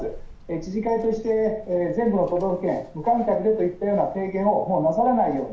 知事会として全部の都道府県、無観客でというふうな提言をもうなさらないように。